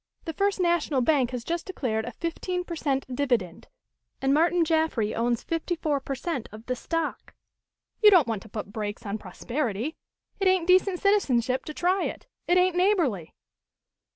The First National Bank has just declared a fifteen per cent. dividend, and Martin Jaffry owns fifty four per cent. of the stock. "You don't want to put brakes on prosperity. It ain't decent citizenship to try it. It ain't neighborly.